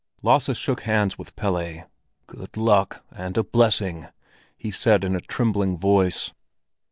Lasse shook hands with Pelle. "Good luck and a blessing!" he said in a trembling voice.